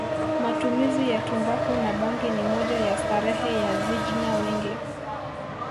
Matumizi ya tumbaku na bangi ni moja ya starehe ya vijna wengi